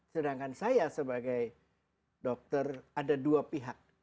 sedangkan saya sebagai dokter ada dua pihak